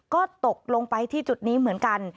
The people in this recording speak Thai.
ก็ตกลงไปที่จุดนี้เหมือนกัน